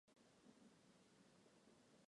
番歆之弟番苗打算复仇。